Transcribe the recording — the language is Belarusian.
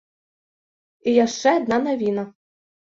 І яшчэ адна навіна.